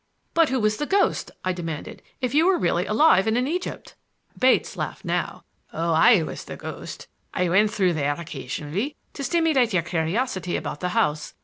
"But who was the ghost?" I demanded, "if you were really alive and in Egypt?" Bates laughed now. "Oh, I was the ghost! I went through there occasionally to stimulate your curiosity about the house.